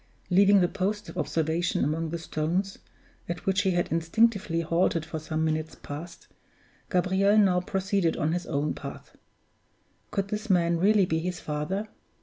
Leaving the post of observation among the stones, at which he had instinctively halted for some minutes past, Gabriel now proceeded on his own path. Could this man really be his father?